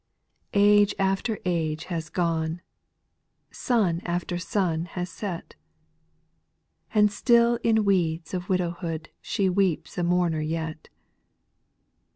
Age after age has gone, Sun after sun has set, And still in weeds of widowhood She weeps a mourner yet.